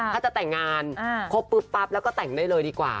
ถ้าจะแต่งงานครบปุ๊บปั๊บแล้วก็แต่งได้เลยดีกว่า